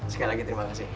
sekali lagi terima kasih